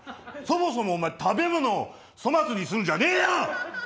そもそもお前食べ物を粗末にするんじゃねえよ！